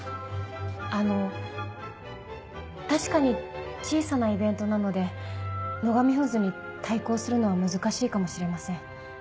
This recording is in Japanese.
あの確かに小さなイベントなので野上フーズに対抗するのは難しいかもしれません。